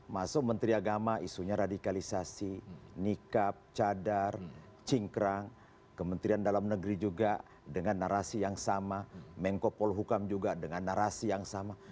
masuk menteri agama isunya radikalisasi nikab cadar cingkrang kementerian dalam negeri juga dengan narasi yang sama mengkopol hukam juga dengan narasi yang sama